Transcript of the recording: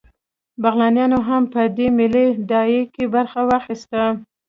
بغلانیانو هم په دې ملي داعیه کې برخه واخیسته